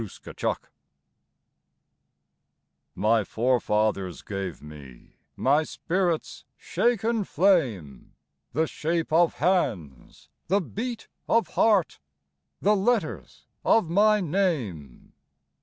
Driftwood My forefathers gave me My spirit's shaken flame, The shape of hands, the beat of heart, The letters of my name.